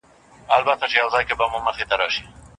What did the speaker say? د بشپړو معلوماتو پرته هیڅکله هم وروستۍ پرېکړه مه کوئ.